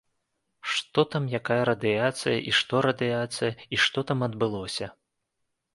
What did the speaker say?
Што там, якая радыяцыя, і што радыяцыя, і што там адбылося.